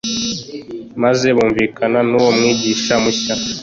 maze bumvikane n’uwo mwigisha mushya.